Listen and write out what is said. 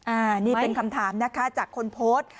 อันนี้เป็นคำถามนะคะจากคนโพสต์